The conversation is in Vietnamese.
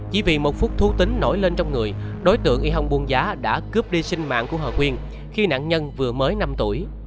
chỉ vì một phút thú tính nổi lên trong người đối tượng y hồng buông giá đã cướp đi sinh mạng của hờ quyên khi nạn nhân vừa mới năm tuổi